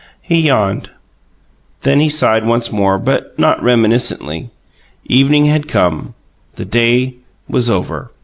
He yawned. Then he sighed once more, but not reminiscently: evening had come; the day was over.